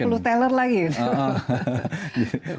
ke pelu teller lagi itu